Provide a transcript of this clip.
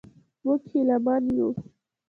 موږ هیله من یو.